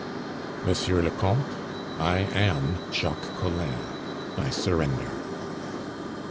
"Monsieur le Comte, I am Jacques Collin. I surrender!"